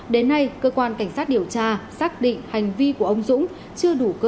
đến nay cơ quan cảnh sát điều tra xác định hành vi của ông dũng chưa đủ cơ sở cấu thành tội phạm